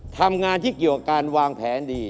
ทำงานที่เกี่ยวกับการวางแผนดี